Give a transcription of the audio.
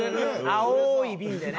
青い瓶でね。